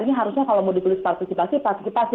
ini harusnya kalau mau dipulis partisipasi pasti pasti